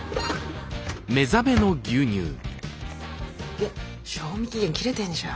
げっ賞味期限切れてんじゃん。